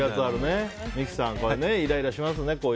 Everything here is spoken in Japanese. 三木さん、これイライラしますね。